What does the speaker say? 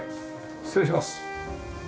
失礼します。